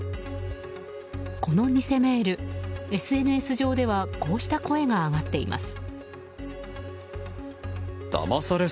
この偽メール、ＳＮＳ上ではこうした声が上がっています。